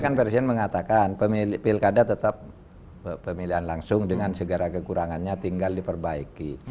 kan presiden mengatakan pilkada tetap pemilihan langsung dengan segala kekurangannya tinggal diperbaiki